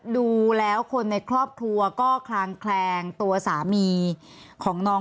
ดูแล้วคนในครอบครัวก็คลางแคลงตัวสามีของน้อง